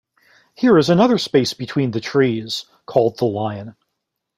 "Here is another space between the trees," called the Lion.